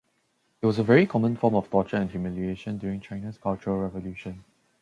It was a very common form of torture and humiliation during China's Cultural Revolution.